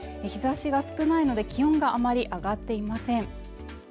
日差しが少ないので気温があまり上がっていません